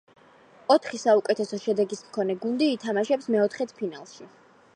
ოთხი საუკეთესო შედეგის მქონე გუნდი ითამაშებს მეოთხედფინალში.